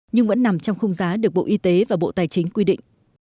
nhưng vẫn nằm trong khung giá được bộ y tế và bộ tài chính quy định